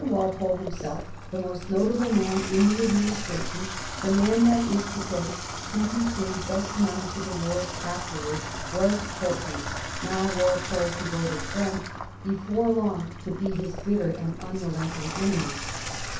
Walpole himself, the most notable man in the Ad ministration — ^the man, that is to say, who became best known to the world afterwards — ^was Pulteney, now Walpole's devoted friend, before long to be his bitter and mirelenting enemy.